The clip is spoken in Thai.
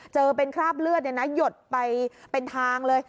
เจอเป็นคราบเลือดหยดไปเป็นทางเลย